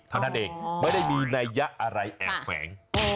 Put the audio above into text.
ข้างทานเองไม่ได้มีนัยยะอะไรแอบแขวง